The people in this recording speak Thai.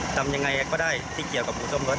ทำยังไงก็ได้ที่เกี่ยวกับอูซ่อมรถ